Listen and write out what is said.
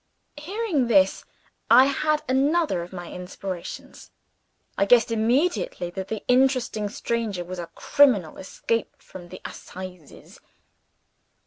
Hearing this, I had another of my inspirations. I guessed immediately that the interesting stranger was a criminal escaped from the Assizes.